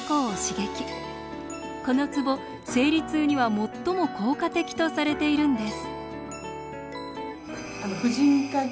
このツボ生理痛には最も効果的とされているんです。